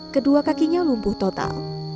kedua kakinya lumpuh total